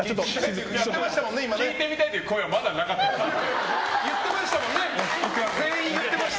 聞いてみたいって声はまだなかったですけど。